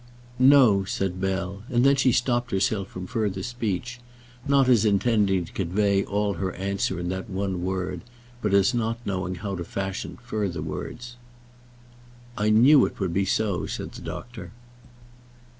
"No," said Bell; and then she stopped herself from further speech, not as intending to convey all her answer in that one word, but as not knowing how to fashion any further words. "I knew it would be so," said the doctor.